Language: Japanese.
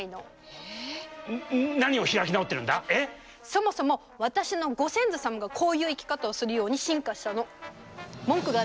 そもそも私のご先祖様がこういう生き方をするように進化したの。